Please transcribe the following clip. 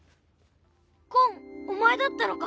ごんお前だったのか。